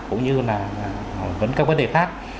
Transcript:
cũng như là các vấn đề khác